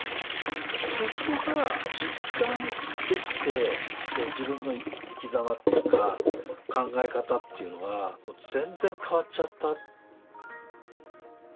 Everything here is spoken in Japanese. そこが実感できてこう自分の生きざまっていうか考え方というのがもう全然変わっちゃった。